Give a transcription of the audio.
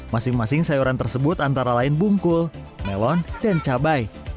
masing masing sayuran tersebut antara lain bungkul melon dan cabai